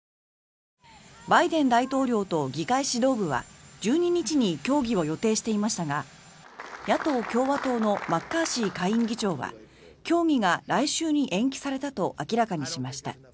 バイデン大統領と議会指導部は１２日に協議を予定していましたが野党・共和党のマッカーシー下院議長は協議が来週に延期されたと明らかにしました。